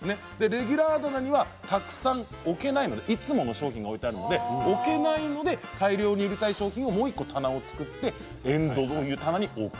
レギュラー棚にはたくさん置けないのでいつもの商品が置いてあるので置けないので大量に売りたい商品をもう１個、棚を作ってエンドという棚に置く。